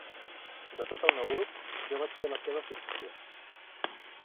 De tot el meu grup, jo vaig ser la seva fixació.